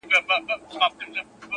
په مړاوو گوتو كي قوت ډېر سي؛